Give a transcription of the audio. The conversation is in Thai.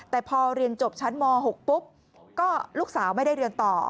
แต่พอเรียนจบชั้นม๖ปุ๊บก็ลูกสาวไม่ได้เรียนต่อ